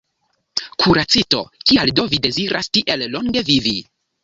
Kuracisto: “Kial do vi deziras tiel longe vivi?